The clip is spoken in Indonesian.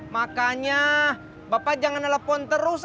makanya bapak jangan nelfon terus